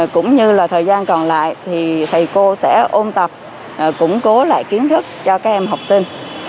cũng như là thời gian còn lại thì thầy cô sẽ ôn tập củng cố lại kiến thức cho các em học sinh